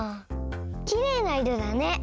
きれいないろだね。